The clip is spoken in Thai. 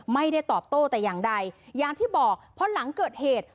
ไม่ได้ตอบโต้แต่อย่างใดอย่างที่บอกเพราะหลังเกิดเหตุ